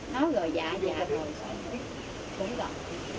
nói rồi dạ dạ rồi xong rồi quýnh con